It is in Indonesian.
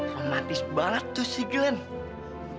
romatis banget tuh si glenn